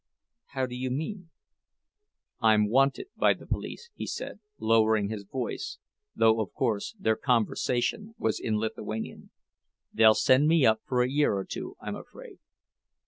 "How do you mean?" "I'm wanted by the police," he said, lowering his voice, though of course their conversation was in Lithuanian. "They'll send me up for a year or two, I'm afraid."